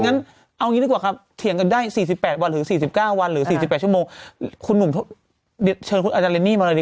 หน้าชากก็ดีเลยนะที่เป็นเด็กแฟนคัป